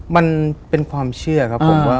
มันเป็นความเชื่อครับผมว่า